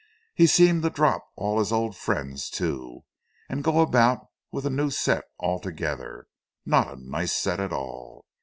He seemed to drop all his old friends, too, and go about with a new set altogether not a nice set at all.